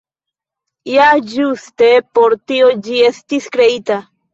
Ja ĝuste por tio ĝi estis kreita.